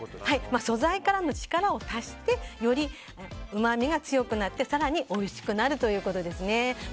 素材からの力を足してよりうまみが強くなって更においしくなるということです。